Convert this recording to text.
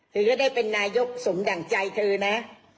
เธอก็ได้เป็นนายกสมดั่งใจเธอนะ